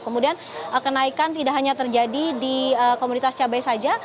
kemudian kenaikan tidak hanya terjadi di komoditas cabai saja